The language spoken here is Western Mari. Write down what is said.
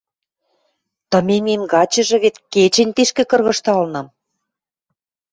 Тыменьмем гачыжы вет кечӹнь тишкӹ кыргыжталынам.